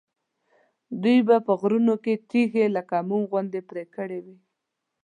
دوی به په غرونو کې تیږې لکه موم غوندې پرې کړې وي.